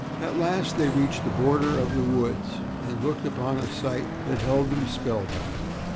At last they reached the border of the woods and looked out upon a sight that held them spellbound.